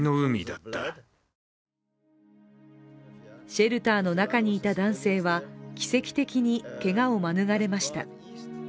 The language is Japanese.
シェルターの中にいた男性は奇跡的にけがを免れました。